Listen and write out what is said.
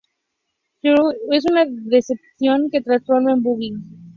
Swindle es un Decepticon que se transforma en un Buggy.